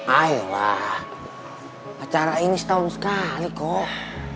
ayo lah acara ini setahun sekali kok